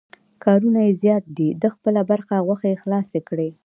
کارونه یې زیات دي، ده خپله برخه غوښې خلاصې کړې.